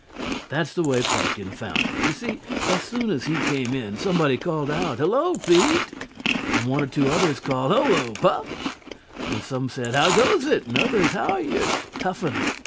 That's the way Pupkin found it. You see, as soon as he came in, somebody called out: "Hello, Pete!" and one or two others called: "Hullo, Pup!" and some said: "How goes it?" and others: "How are you toughing it?"